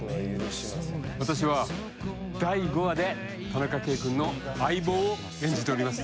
私は第５話で田中圭君の相棒を演じております。